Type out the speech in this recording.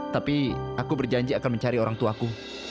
tapi aku berjanji akan mencari orang tuaku